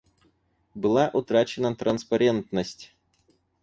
Была утрачена транспарентность.